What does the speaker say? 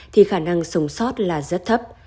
thì khả năng sống sót là rất thấp